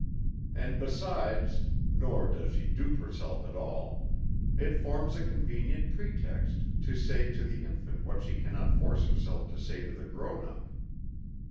And besides (nor does she dupe herself at all) it forms a convenient pretext to say to the infant what she cannot force herself to say to the grown up.